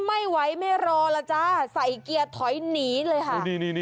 ไม่ไหวไม่รอแล้วจ้าใส่เกียร์ถอยหนีเลยค่ะ